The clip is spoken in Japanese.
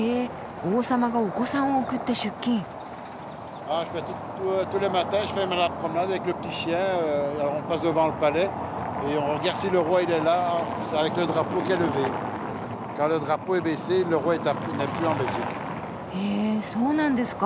王様がお子さんを送って出勤！へそうなんですか。